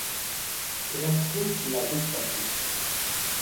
এরা খুব লাজুক পাখি।